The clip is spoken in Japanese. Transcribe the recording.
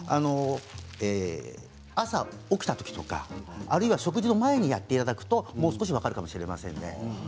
朝起きたときとかあるいは食事の前にやっていただくともう少し分かるかもしれませんね。